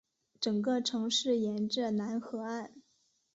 整个城市沿着楠河岸。